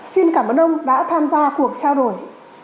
xin cảm ơn ông đã tham gia cuộc trao đổi